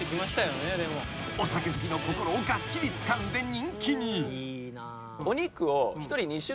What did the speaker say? ［お酒好きの心をがっちりつかんで人気に］